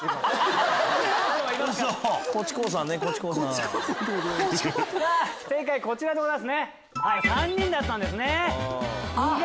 さぁ正解こちらでございます。